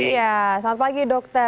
iya selamat pagi dokter